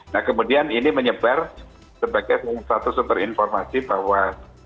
nah kemudian ini menyebar sebagai satu sumber informasi bahwa